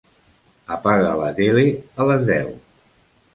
Apaga la tele a les deu.